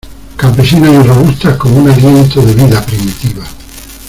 campesinas y robustas como un aliento de vida primitiva.